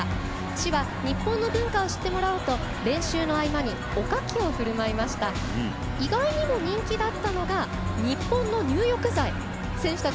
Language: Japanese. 市は、日本の文化を知ってもらおうと練習の合間におかきをふるまいました。